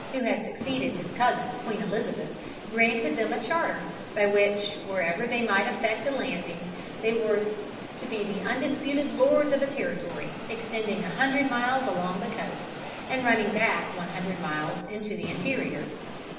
who had succeeded his cousin Queen Elizabeth, granted them a charter, by which, wherever they might effect a landing, they were to be the undisputed lords of a territory extending a hundred miles along the coast, and running back one hundred miles into the interior.